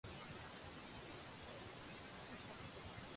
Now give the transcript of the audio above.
炸得好脆好有味